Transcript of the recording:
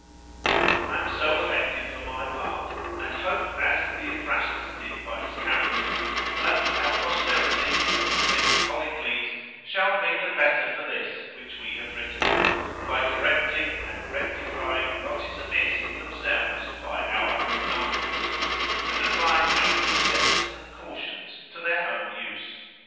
I am so affected for my part, and hope as Theophrastus did by his characters, That our posterity, O friend Policles, shall be the better for this which we have written, by correcting and rectifying what is amiss in themselves by our examples, and applying our precepts and cautions to their own use.